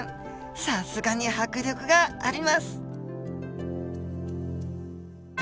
さすがに迫力があります。